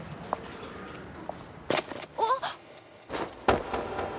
あっ！